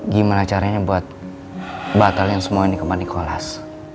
gimana caranya buat batalkan semua ini ke pak nicholas